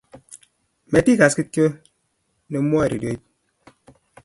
matikas kito ne mwoe redioit